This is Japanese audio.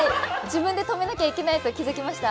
自分で止めなきゃいけないって気づきました。